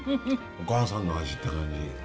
お母さんの味って感じ。